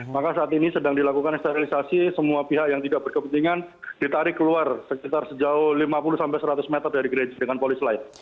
maka saat ini sedang dilakukan sterilisasi semua pihak yang tidak berkepentingan ditarik keluar sekitar sejauh lima puluh sampai seratus meter dari gereja dengan polis lain